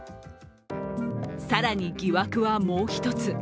更に、疑惑はもう一つ。